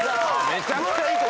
めちゃくちゃいい！